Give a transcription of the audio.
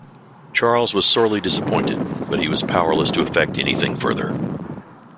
Charles was sorely disappointed, but he was powerless to effect anything further.